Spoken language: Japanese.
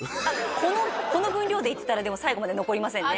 この分量でいってたら最後まで残りませんね